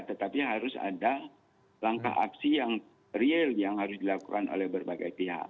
tetapi harus ada langkah aksi yang real yang harus dilakukan oleh berbagai pihak